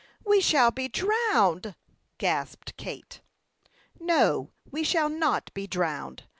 "We shall be drowned!" gasped Kate. "No, we shall not be drowned.